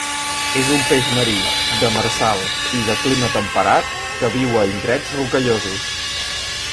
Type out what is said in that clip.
És un peix marí, demersal i de clima temperat que viu a indrets rocallosos.